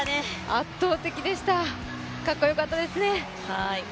圧倒的でした、かっこよかったですね。